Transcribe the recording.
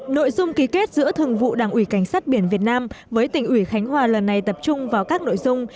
nội dung ký kết giữa thường vụ đảng ủy cảnh sát biển việt nam với tỉnh ủy khánh hòa lần này tập trung vào các nội dung